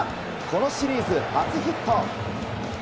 このシリーズ初ヒット。